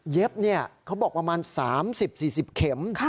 เย็บเนี่ยเขาบอกประมาณ๓๐๔๐เข็ม